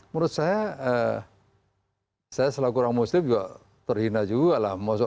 menurut saya saya selaku orang muslim juga terhina juga lah